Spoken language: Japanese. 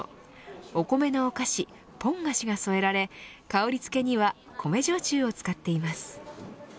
お米のお菓子ポン菓子が添えられて香り付けには米焼酎を使っています。